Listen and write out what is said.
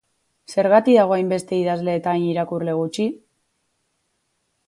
Zergatik dago hainbeste idazle eta hain irakurle gutxi?